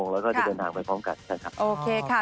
แล้วก็จะเดินทางไปพร้อมการ